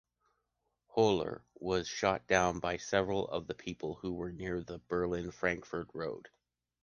Höhler was then shot down by several of the people who were near the Berlin-Frankfort road.